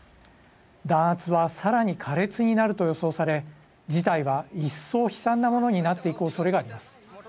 弾圧はさらに苛烈になると予想され事態は、一層悲惨なものになっていくおそれがあります。